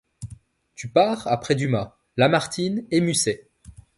Tu pars après Dumas, Lamartine et Musset.